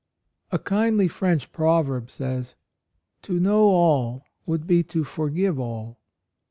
A kindly French proverb says : "To know all would be to forgive all."